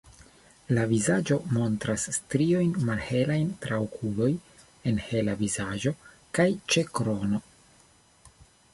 La vizaĝo montras striojn malhelajn tra okuloj -en hela vizaĝo- kaj ĉe krono.